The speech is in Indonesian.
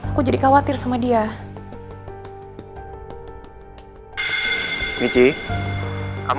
aku jadi khawatir sama dia